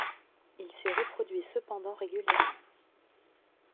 Il s'y reproduit cependant régulièrement.